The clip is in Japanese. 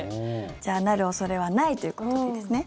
じゃあ、なる恐れはないということでいいですね。